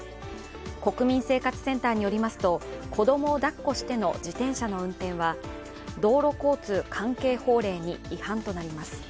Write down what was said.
国民生活センターによりますと子供をだっこしての自転車の運転は道路交通関係法令に違反となります。